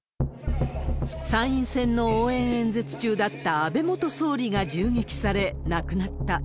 参院選の応援演説中だった安倍元総理が銃撃され亡くなった。